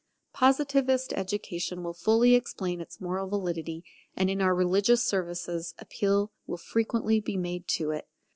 Positivist education will fully explain its moral validity, and in our religious services appeal will frequently be made to it.